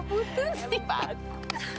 begitu sulit untuk mereka